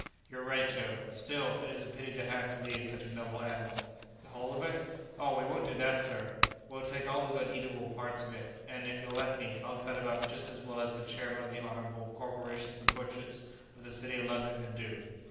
"You're right, Joe. Still it is a pity to have to leave such a noble animal." "The whole of it? Oh, we won't do that, sir; we'll take all the good eatable parts of it, and, if you'll let me, I'll cut him up just as well as the chairman of the honorable corporation of butchers of the city of London could do."